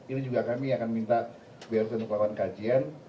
ini juga kami akan minta brt untuk melakukan kajian